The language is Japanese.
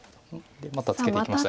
またツケていきました。